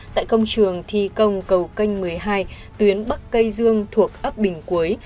tại công trường thi công cầu canh một mươi hai tuyến bắc cây dương thuộc ấp bình quế